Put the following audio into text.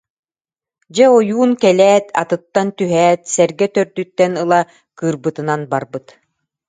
Дьэ ойуун кэлээт, атыттан түһээт сэргэ төрдүттэн ыла кыырбытынан барбыт